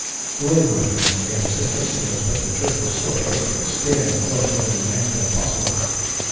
The wind would have been of great assistance to us, but the drift was so thick that steering a course would have been next to impossible.